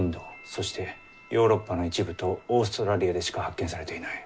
そしてヨーロッパの一部とオーストラリアでしか発見されていない。